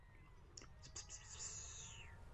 与刘胜同乡。